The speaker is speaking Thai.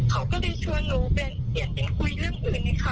เขาก็ได้ชวนหนูเป็นเสียงเป็นคุยเรื่องอื่นค่ะ